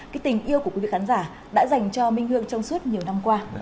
cái tình yêu của quý vị khán giả đã dành cho minh hương trong suốt nhiều năm qua